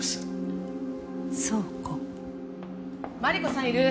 マリコさんいる？